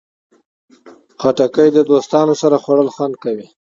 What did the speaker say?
خټکی له دوستانو سره خوړل خوند کوي.